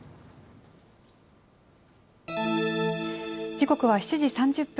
時刻は７時３０分。